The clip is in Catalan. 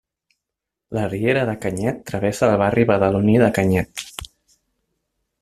La riera de Canyet travessa el barri badaloní de Canyet.